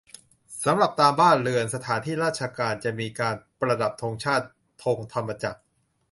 สำหรับตามบ้านเรือน สถานที่ราชการ จะมีการประดับธงชาติ ธงธรรมจักร